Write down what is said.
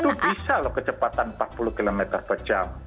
itu bisa loh kecepatan empat puluh km per jam